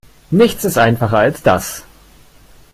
Nichts ist einfacher als das.